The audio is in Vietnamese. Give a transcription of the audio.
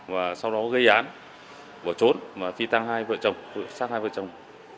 và sau đó gây án vỏ trốn và phi tang hai vợ chồng sát hai vợ chồng